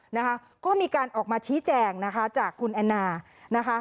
นะคะก็มีการออกมาชี้แจงนะคะจากคุณแอนนานะคะ